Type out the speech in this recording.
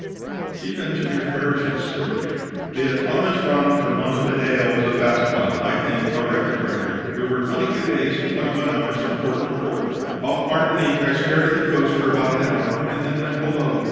CHIEF ENGINEER FARRISH'S STORY "The Etona's run from Montevideo was a fast one I think a record breaker. We were 22 days and 21 hours from port to port. Off Martinique I stared at the coast for about an hour, and then went below.